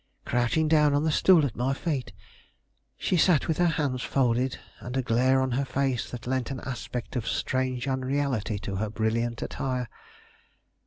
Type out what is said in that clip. Crouching down on the stool at my feet, she sat with her hands folded and a glare on her face that lent an aspect of strange unreality to her brilliant attire.